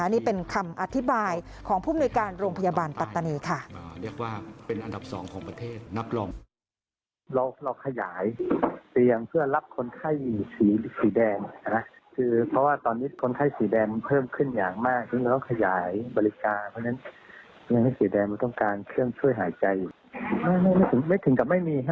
นี่เป็นคำอธิบายของผู้มนุยการโรงพยาบาลปัตตานีค่ะ